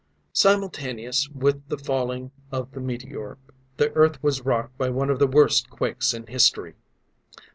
Simultaneous with the falling of the meteor, the Earth was rocked by one of the worst quakes in history.